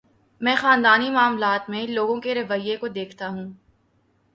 میں خاندانی معاملات میں لوگوں کے رویے کو دیکھتا ہوں۔